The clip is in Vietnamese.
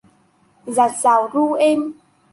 Dạt dào ru êm